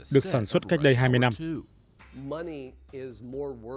được sản xuất cách đây hai mươi năm